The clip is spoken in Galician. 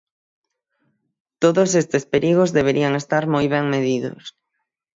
Todos estes perigos deberían estar moi ben medidos.